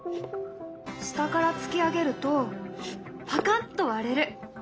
下から突き上げるとパカッと割れる。